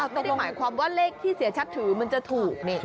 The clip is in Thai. ต้องหมายความว่าเลขที่เสียชัดถือมันจะถูก